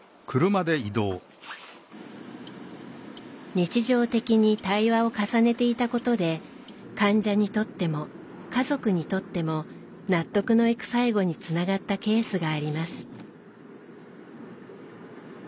日常的に対話を重ねていたことで患者にとっても家族にとっても納得のいく最後につながったケースがあります。